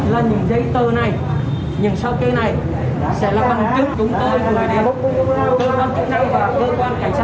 là những giấy tờ này những sau kê này sẽ là bằng chức chúng tôi